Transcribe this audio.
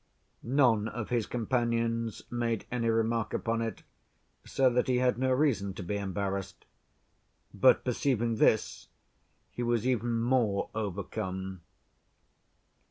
None of his companions made any remark upon it, so that he had no reason to be embarrassed; but, perceiving this, he was even more overcome.